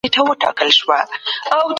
اقتصادي تعاون د ټولني ستون غښتلی کوي.